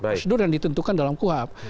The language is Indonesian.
prosedur yang ditentukan dalam kuhap